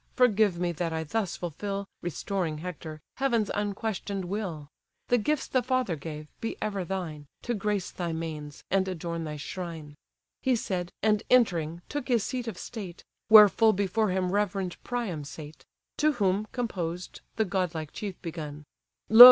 forgive me, that I thus fulfil (Restoring Hector) heaven's unquestion'd will. The gifts the father gave, be ever thine, To grace thy manes, and adorn thy shrine." He said, and, entering, took his seat of state; Where full before him reverend Priam sate; To whom, composed, the godlike chief begun: "Lo!